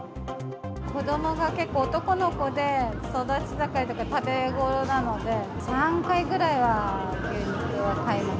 子どもが結構、男の子で育ち盛りだから、食べごろなので、３回ぐらいは牛肉は買います。